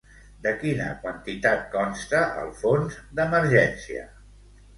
De quina quantitat consta el fons d'emergència?